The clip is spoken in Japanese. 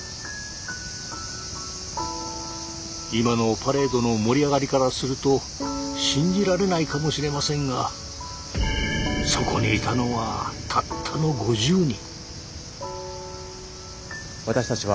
今のパレードの盛り上がりからすると信じられないかもしれませんがそこにいたのはたったの５０人。